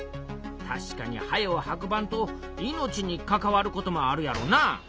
たしかに早う運ばんと命に関わることもあるやろな。